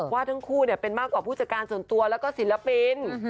ว่าทั้งคู่เป็นมากกว่าผู้จัดการส่วนตัวแล้วก็ศิลปิน